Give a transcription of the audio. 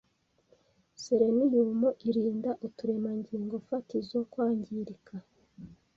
Selenium irinda uturemangingo fatizo kwangirika,